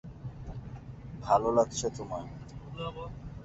ভালো লাগছে তোমায়।